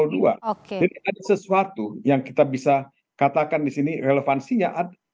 jadi ada sesuatu yang kita bisa katakan disini relevansinya